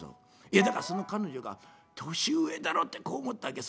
いやだからその彼女が年上だろってこう思ったわけ。